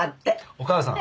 お母さん